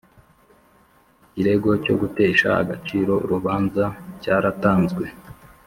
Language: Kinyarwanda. Ikirego cyo gutesha agaciro urubanza cyaratanzwe.